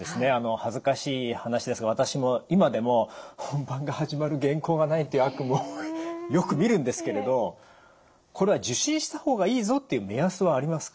恥ずかしい話ですが私も今でも「本番が始まる原稿がない」っていう悪夢をよくみるんですけれどこれは受診した方がいいぞっていう目安はありますか？